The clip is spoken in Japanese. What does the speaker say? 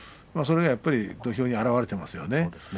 それが、やっぱり土俵に表れていますよね。